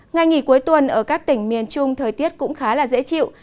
ngày nghỉ cuối tuần ở các tỉnh miền trung thời tiết cũng khá dễ chịu